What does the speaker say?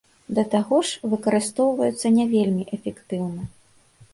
Да таго ж, выкарыстоўваюцца не вельмі эфектыўна.